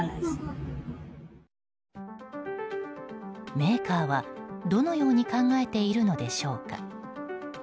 メーカーは、どのように考えているのでしょうか。